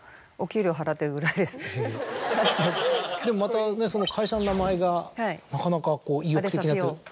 でもまたねその会社の名前がなかなかこう意欲的。